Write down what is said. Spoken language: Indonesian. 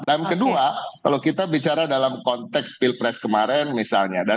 dan kedua kalau kita bicara dalam konteks pilpres kemarin misalnya